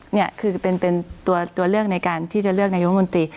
นี่คือเป็นตัวเลือกในการที่จะเลือกนายกรมนตรี